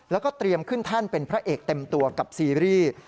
แล้วก็เตรียมขึ้นแท่นเป็นพระเอกเต็มตัวกับซีรีส์